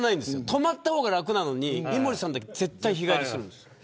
泊まった方が楽なのに井森さんだけ絶対日帰りするんです。